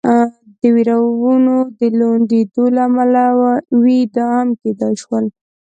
د وېرونو د لوندېدو له امله وي، دا هم کېدای شول.